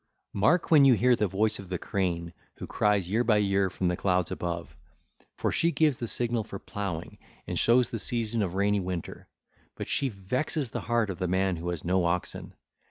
(ll. 448 457) Mark, when you hear the voice of the crane 1317 who cries year by year from the clouds above, for she give the signal for ploughing and shows the season of rainy winter; but she vexes the heart of the man who has no oxen.